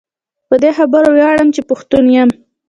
په دي خبره وياړم چي پښتون يم